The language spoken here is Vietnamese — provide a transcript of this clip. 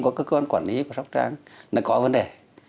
nhưng mà có cơ quan quản lý của sóc trang là có vấn đề